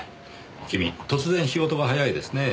君突然仕事が速いですねぇ。